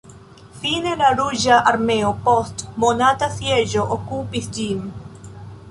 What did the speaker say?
Fine la Ruĝa Armeo post monata sieĝo okupis ĝin.